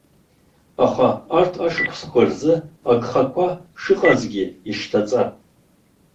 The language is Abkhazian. Аха арҭ ашықәсқәа рзы агхақәа шыҟазгьы ишьҭаҵан.